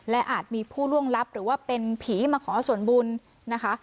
และอาจมีผู้ล่วงลับหรือว่าเป็นผีมาขอส่วนบุญนะคะ